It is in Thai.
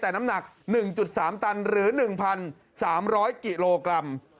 แต่น้ำหนัก๑๓ตันหรือ๑๓๐๐กิโลกรัม